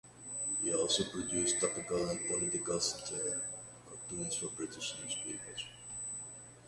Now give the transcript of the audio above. He also produced topical and political satire cartoons for British newspapers.